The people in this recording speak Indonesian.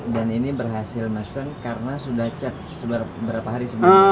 dan ini berhasil mesen karena sudah chat seberapa hari sebelumnya